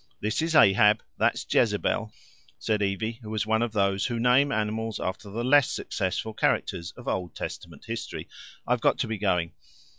"This is Ahab, that's Jezebel," said Evie, who was one of those who name animals after the less successful characters of Old Testament history. "I've got to be going."